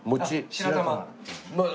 白玉？